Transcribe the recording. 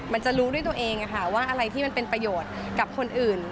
มันจะรู้ด้วยตัวเองว่าอะไรที่มันเป็นประโยชน์กับคนอื่น